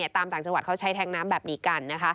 ต่างจังหวัดเขาใช้แทงน้ำแบบนี้กัน